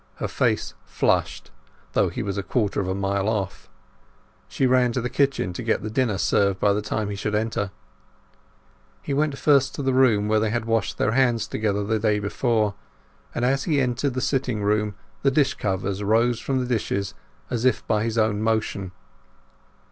Her face flushed, although he was a quarter of a mile off. She ran to the kitchen to get the dinner served by the time he should enter. He went first to the room where they had washed their hands together the day before, and as he entered the sitting room the dish covers rose from the dishes as if by his own motion.